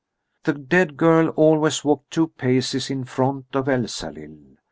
The dead girl always walked two paces in front of Elsalill.